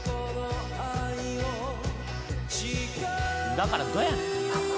だからどうやねん。